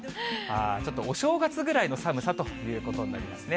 ちょっとお正月ぐらいの寒さということになりますね。